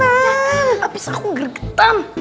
ya habis aku gregetan